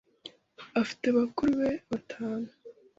Afite bakuru be batanu.